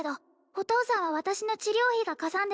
お父さんは私の治療費がかさんで